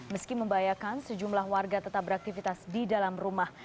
meski membahayakan sejumlah warga tetap beraktivitas di dalam rumah